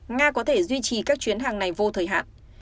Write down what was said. nga có thể duy trì các chuyến hàng này vô thời hạn